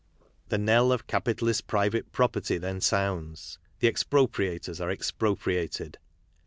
"The knell of capitalist private pro perty then sounds. The expropriators are expro priated."